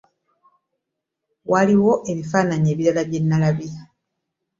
Waliwo ebifaananyi ebirala bye nalabye.